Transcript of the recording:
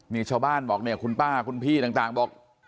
นี่ชาวบ้านบอกเนี่ยคุณป้าคุณพี่ต่างบอก